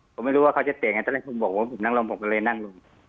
ผมไม่รู้ว่าเขาจะเตะไงตอนแรกคุณบอกว่าผมนั่งลงผมก็เลยนั่งลง